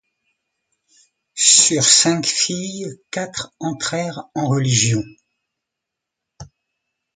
Sur cinq filles, quatre entrèrent en religion.